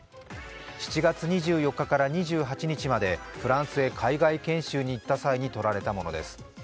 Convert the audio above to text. ７月２４日から２８日までフランスへ海外研修に行った際に撮られたものです